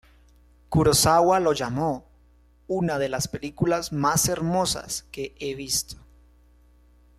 Kurosawa lo llamó "una de las películas más hermosas que he visto".